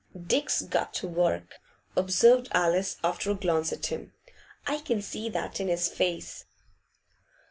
'Dick's got work,' observed Alice, after a glance at him. 'I can see that in his face.